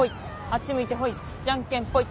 あっち向いてほい。